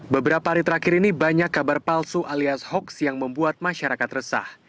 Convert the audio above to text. beberapa hari terakhir ini banyak kabar palsu alias hoax yang membuat masyarakat resah